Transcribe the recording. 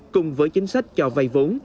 cùng với chính sách cho vay vốn